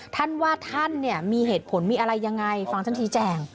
ท่านว่าท่านมีเหตุผลมีอะไรอย่างไรฟังฉันชี้แจง